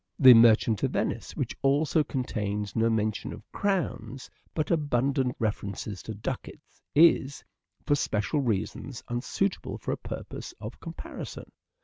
" The Merchant of Venice," which also contains no mention of " crowns " but abundant references to " ducats "is, for special reasons, unsuitable for purposes of com parison.